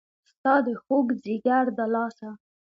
ستا د خوږ ځیګر د لاسه